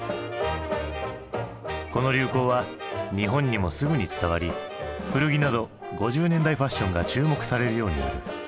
この流行は日本にもすぐに伝わり古着など５０年代ファッションが注目されるようになる。